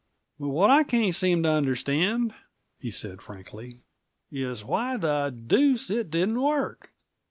"But what I can't seem to understand," he said frankly, "is why the deuce it didn't work!